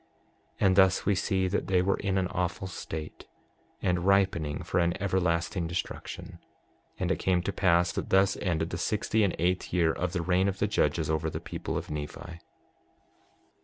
6:40 And thus we see that they were in an awful state, and ripening for an everlasting destruction. 6:41 And it came to pass that thus ended the sixty and eighth year of the reign of the judges over the people of Nephi.